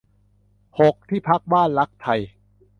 หก ที่พักบ้านรักไทย